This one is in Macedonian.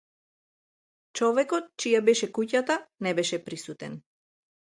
Човекот чија беше куќата не беше присутен.